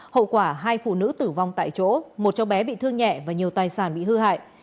hậu quả hai phụ nữ tử vong tại chỗ một cháu bé bị thương nhẹ và nhiều tài sản bị hư hại